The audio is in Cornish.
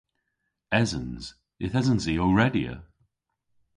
Esens. Yth esens i ow redya.